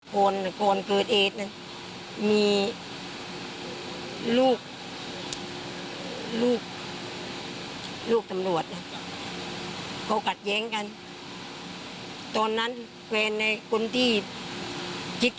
โกนเกิดเอ็ดมีลูกลูกลูกตำรวจ